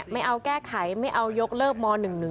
ไม่เอาแก้ไขไม่เอายกเลิกม๑๑๒